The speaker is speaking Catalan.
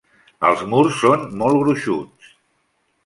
Els murs són molt gruixuts.